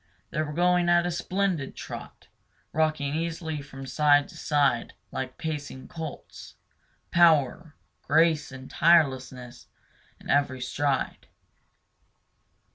They were going at a splendid trot, rocking easily from side to side like pacing colts, power, grace, tirelessness in every stride.